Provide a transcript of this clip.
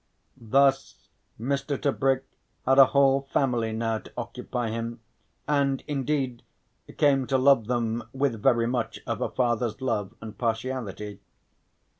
Thus Mr. Tebrick had a whole family now to occupy him, and, indeed, came to love them with very much of a father's love and partiality.